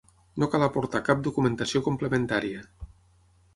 No cal aportar cap documentació complementària.